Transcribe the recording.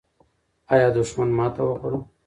آیا دښمن ماته وخوړه؟